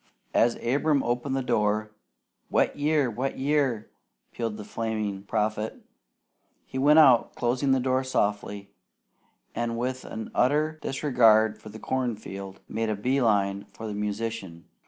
As Abram opened the door, "Wet year! Wet year!" pealed the flaming prophet. He went out, closing the door softly, and with an utter disregard for the corn field, made a bee line for the musician.